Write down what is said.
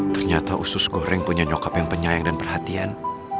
ternyata usus goreng punya nyokap yang penyayang dan perhatian